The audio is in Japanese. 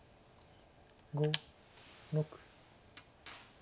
５６。